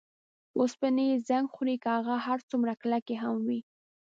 اوسپنې یې زنګ خوري که هغه هر څومره کلکې هم وي.